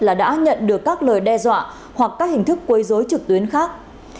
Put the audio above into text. là đã nhận được các lời đe dọa hoặc các hình thức quấy dối trực tuyến khác